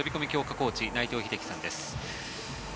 コーチ内藤英樹さんです。